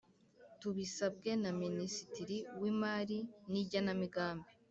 Tubisabwe na Minisitiri w Imari n Igenamigambi